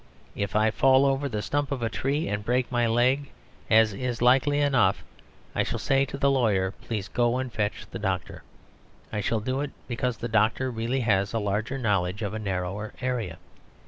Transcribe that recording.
If I fall over the stump of a tree and break my leg, as is likely enough, I shall say to the lawyer, "Please go and fetch the doctor." I shall do it because the doctor really has a larger knowledge of a narrower area.